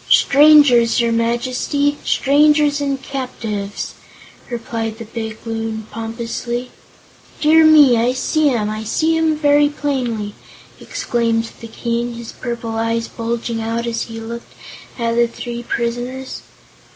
"Strangers, your Majesty strangers and captives," replied the big Loon, pompously. "Dear me! I see 'em. I see 'em very plainly," exclaimed the King, his purple eyes bulging out as he looked at the three prisoners.